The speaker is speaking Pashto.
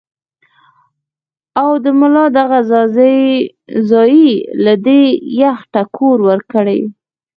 او د ملا دغه ځائے له دې يخ ټکور ورکړي -